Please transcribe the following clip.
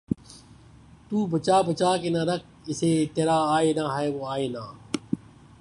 تو بچا بچا کے نہ رکھ اسے ترا آئنہ ہے وہ آئنہ